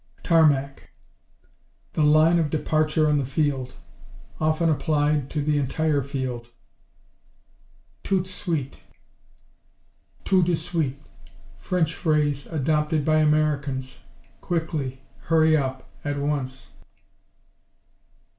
Tarmac The line of departure on the field. Often applied to the entire field. Toot sweet Tout de suite French phrase, adopted by Americans. Quickly, hurry up, at once.